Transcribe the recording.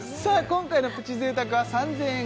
今回のプチ贅沢は３０００円